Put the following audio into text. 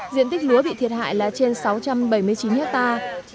diện tích lúa bị thiệt hại là trên sáu trăm bảy mươi chín hectare